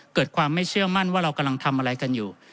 เกิดความไม่เชื่อมั่นว่าเรากำลังทำอะไรกันอยู่